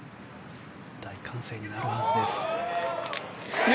大歓声になるはずです。